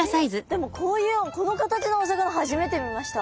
でもこういうこの形のお魚初めて見ました。